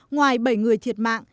ngoài bảy người thiệt mạng